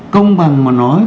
công bằng mà nói